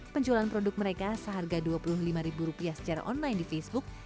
penjualan produk mereka seharga dua puluh lima ribu rupiah secara online di facebook